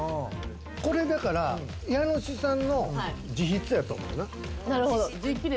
これだから、家主さんの直筆やと思うな。